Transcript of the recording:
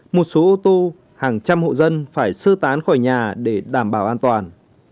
một số ô tô hàng trăm hộ dân phải sơ tán khỏi nhà để đảm bảo an toàn